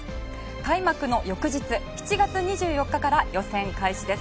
開幕の翌日、７月２４日から予選開始です。